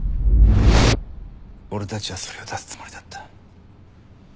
俺たちはそれを出すつもりだった。